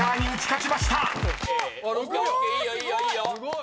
すごい！